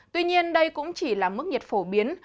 tuy nhiên đây cũng chỉ là mức nhiệt phổ biến